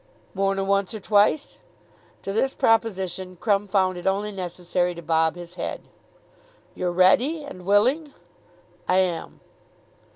"More nor once or twice?" To this proposition Crumb found it only necessary to bob his head. "You're ready, and willing?" "I om."